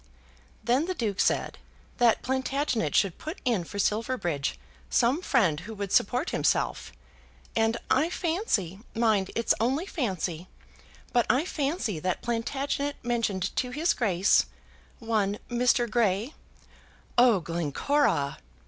Then the Duke said, that Plantagenet should put in for Silverbridge some friend who would support himself; and I fancy, mind it's only fancy, but I fancy that Plantagenet mentioned to his Grace one Mr. Grey." "Oh, Glencora!"